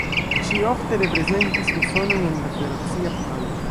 Ŝi ofte reprezentis Usonon en la Federacia Pokalo.